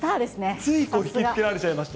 つい引きつけられちゃいました。